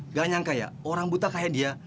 nggak nyangka ya orang buta kayak dia